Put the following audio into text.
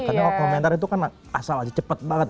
karena komentar itu kan asal aja cepet banget